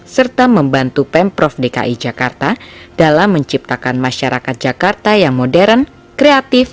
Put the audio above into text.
serta membantu pemprov dki jakarta dalam menciptakan masyarakat jakarta yang modern kreatif